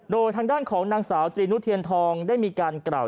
โดยทางด้านของนางสาวตรีนุเทียนทองได้มีการกล่าว